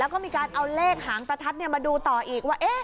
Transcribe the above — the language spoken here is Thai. แล้วก็มีการเอาเลขหางประทัดมาดูต่ออีกว่า